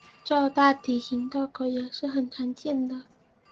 较大体型的狗也是很常见的。